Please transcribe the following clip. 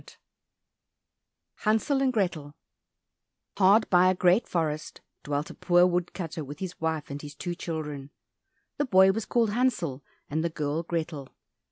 15 Hansel and Grethel Hard by a great forest dwelt a poor wood cutter with his wife and his two children. The boy was called Hansel and the girl Grethel.